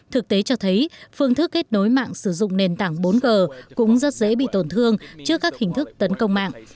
thực tế cho thấy phương thức kết nối mạng sử dụng nền tảng bốn g cũng rất dễ bị tổn thương trước các hình thức tấn công mạng